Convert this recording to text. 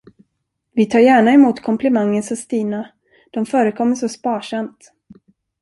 Vi tar gärna emot komplimanger, sade Stina, de förekommer så sparsamt.